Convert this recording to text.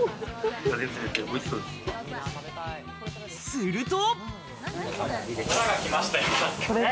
すると。